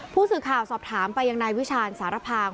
ผู้สื่อข่าวสอบถามไปยังนายวิชาญสารพาง